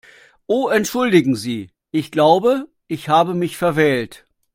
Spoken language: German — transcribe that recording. Oh entschuldigen Sie, ich glaube, ich habe mich verwählt.